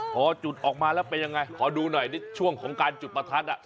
พอจุดออกมาแล้วเป็นยังไงขอดูหน่อยนี่ช่วงของการจุดประทัด